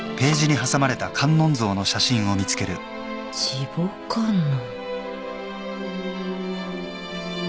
慈母観音。